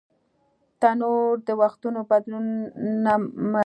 تنور د وختونو بدلون نهمني